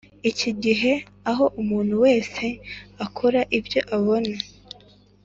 Iki gihe aho umuntu wese akora ibyo abona